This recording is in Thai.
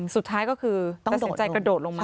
สุดท้ายก็คือต้องสมใจกระโดดลงมา